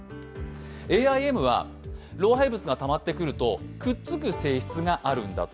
ＡＩＭは老廃物がたまってくるとくっつく性質があるんだと。